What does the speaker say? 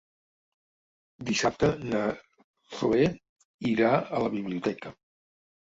Dissabte na Zoè irà a la biblioteca.